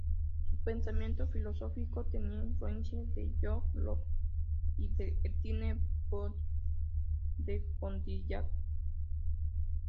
Su pensamiento filosófico tenía influencias de John Locke y de Étienne Bonnot de Condillac.